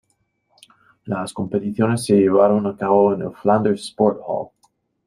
Las competiciones se llevaron a cabo en el Flanders Sport Hall.